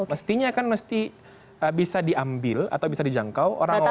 mestinya kan mesti bisa diambil atau bisa dijangkau orang orang